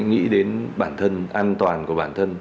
nghĩ đến bản thân an toàn của bản thân